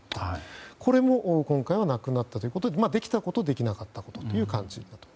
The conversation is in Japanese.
それも今回はなくなったということでできたこと、できなかったことという感じだと。